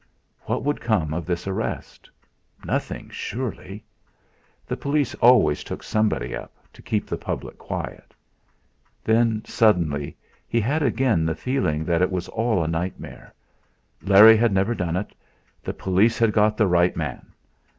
What would come of this arrest? Nothing, surely! The police always took somebody up, to keep the public quiet. Then, suddenly, he had again the feeling that it was all a nightmare; Larry had never done it; the police had got the right man!